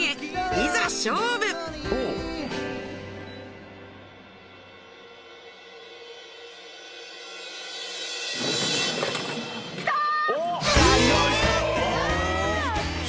いざ勝負きたー！